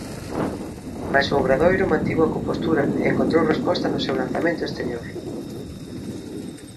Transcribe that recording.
Mais o Obradoiro mantivo a compostura e encontrou resposta no seu lanzamento exterior.